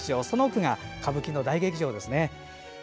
その奥が歌舞伎の大劇場ですよね。